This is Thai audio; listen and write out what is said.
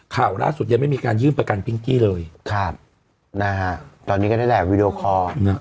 ข่าวล่าสุดยังไม่มีการยื่นประกันพิงกี้เลยครับนะฮะตอนนี้ก็ได้แหละวีดีโอคอร์